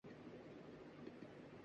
وہ سمجھ نہیں آیا